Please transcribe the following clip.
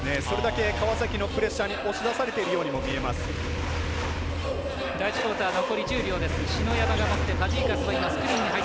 それだけ川崎のプレッシャーに押し出されているようにも決めた！